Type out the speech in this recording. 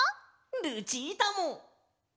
ルチータも！